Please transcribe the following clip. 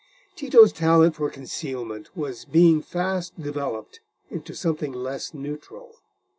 Tito's talent for concealment was being fast developed into something less neutral.